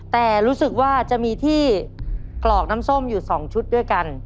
แต่รู้สึกว่าจะมีที่กรอกน้ำส้มอยู่๒ชุดด้วยกัน